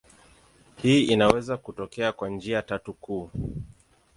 Hii inaweza kutokea kwa njia tatu kuu.